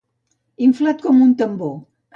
Inflat com un tambor.